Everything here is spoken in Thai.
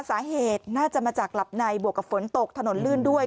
สาเหตุน่าจะมาจากหลับในบวกกับฝนตกถนนลื่นด้วย